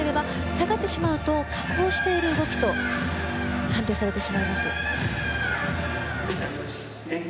下がってしまうと下降している動きと判定されてしまいます。